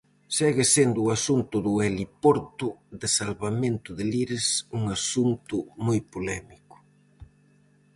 Segue sendo o asunto do heliporto de salvamento de Lires un asunto moi polémico.